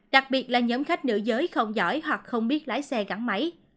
đặc biệt là nhóm khách nữ giới không giỏi hoặc không biết lái xe gắn máy